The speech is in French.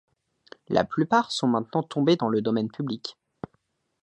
La plupart sont maintenant tombées dans le domaine public.